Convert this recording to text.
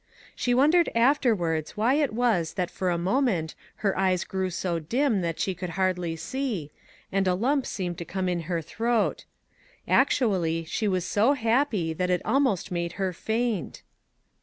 She wondered af terwards why it was that for a moment her eyes grew so dim that she could hardly see, 169 MAG AND MARGARET and a lump seemed to come in her throat. Actually, she was so happy that it almost made her faint